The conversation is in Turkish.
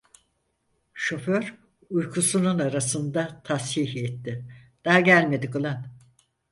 Şoför, uykusunun arasında tashih etti: "Daha gelmedik ulan…"